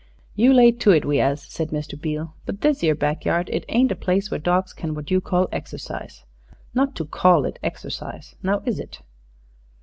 "You lay to it we 'as," said Mr. Beale; "but this 'ere back yard, it ain't a place where dogs can what you call exercise, not to call it exercise. Now is it?"